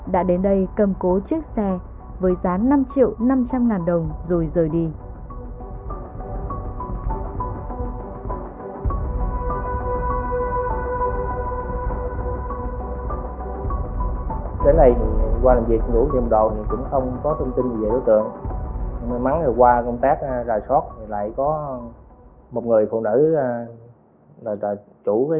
đã đến đây cầm cố chiếc xe với giá năm triệu năm trăm linh ngàn đồng rồi rời đi